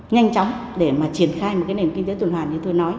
nhanh chóng để mà triển khai một cái nền kinh tế tuyển hoạt như tôi nói